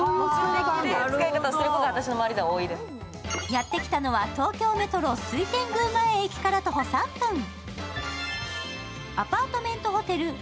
やってきたのは、東京メトロ、水天宮前駅から徒歩３分、アパートメントホテルＭＩＭＡＲＵ